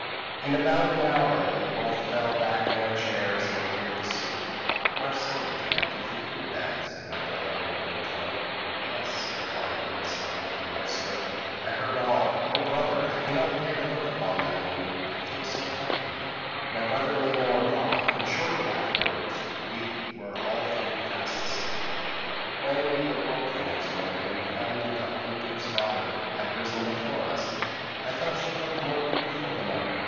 In about an hour they both fell back in their chairs and appeared to sleep. "'Marcella, dear, did you hear?' said my brother, in a low tone. "'Yes,' replied Marcella in a whisper, 'I heard all. Oh! brother, I cannot bear to look upon that woman I feel so frightened.' "My brother made no reply, and shortly afterwards we were all three fast asleep. "When we awoke the next morning, we found that the hunter's daughter had risen before us. I thought she looked more beautiful than ever.